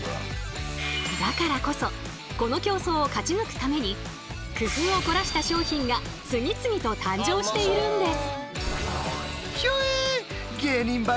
だからこそこの競争を勝ち抜くために工夫を凝らした商品が次々と誕生しているんです。